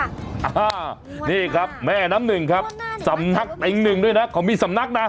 อ่านี่ครับแม่น้ำหนึ่งครับสำนักเต็งหนึ่งด้วยนะเขามีสำนักนะ